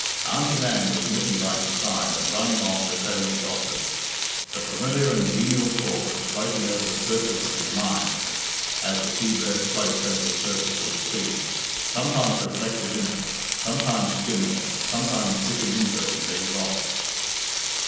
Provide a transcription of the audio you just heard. Auntie Nan was knitting by his side and running on with homely gossip. The familiar and genial talk was floating over the surface of his mind as a sea bird floats over the surface of the sea, sometimes reflected in it, sometimes skimming it, sometimes dipping into it and being lost.